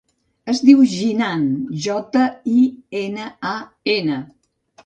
Es diu Jinan: jota, i, ena, a, ena.